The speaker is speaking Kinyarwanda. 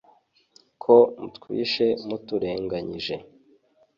ko mutwishe muturenganyije